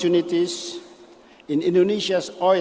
di lanskap investasi minyak dan gas indonesia